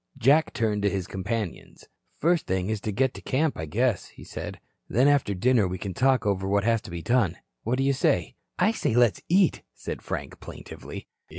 Jack turned to his companions. "First thing is to get to camp, I guess," he said. "Then after dinner we can talk over what has to be done. What do you say?" "I say let's eat," said Frank, plaintively.